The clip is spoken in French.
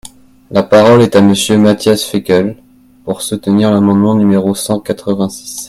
La parole est à Monsieur Matthias Fekl, pour soutenir l’amendement numéro cent quatre-vingt-six.